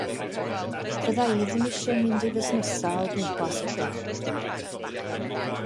Fydda i ddim eisiau mynd i fusnesa o gwmpas y lle.